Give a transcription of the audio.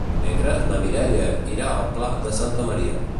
Dimecres na Mireia irà al Pla de Santa Maria.